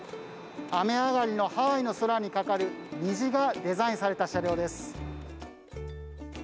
雨上がりのハワイの空にかかる虹がデザインされた車両です。